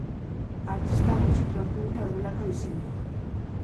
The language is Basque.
Artista gutxik lortu dute horrelako diseinua.